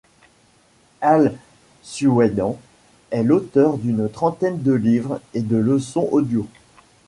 Al-Suwaidan est l'auteur d'une trentaine de livres et de lessons audios.